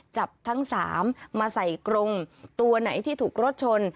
จับทั้ง๓มาใส่กรงตัวไหนที่ถูกรถชน